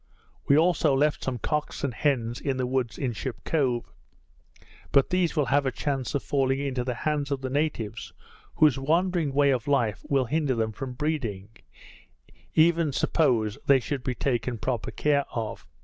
We also left some cocks and hens in the woods in Ship Cove; but these will have a chance of falling into the hands of the natives, whose wandering way of life will hinder them from breeding, even suppose they should be taken proper care of.